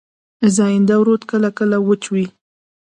زاینده رود سیند کله کله وچ وي.